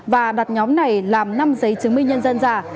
và đặt nhóm này làm năm giấy chứng minh nhân dân giả